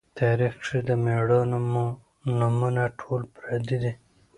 تاریخ کښې د مــړانو مـو نومــونه ټول پردي دي